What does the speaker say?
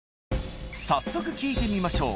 早速聴いてみましょう。